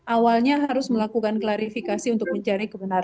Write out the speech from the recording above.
awalnya harus melakukan klarifikasi untuk mencari kebenaran